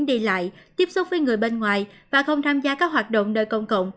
đi lại tiếp xúc với người bên ngoài và không tham gia các hoạt động nơi công cộng